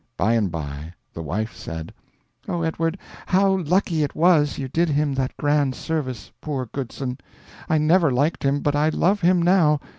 By and by the wife said: "Oh, Edward, how lucky it was you did him that grand service, poor Goodson! I never liked him, but I love him now.